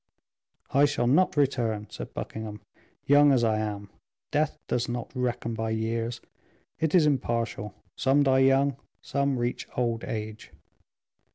"I shall not return," said Buckingham, "young as I am. Death does not reckon by years; it is impartial; some die young, some reach old age."